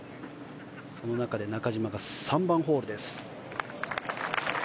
その中で中島が３番ホールです。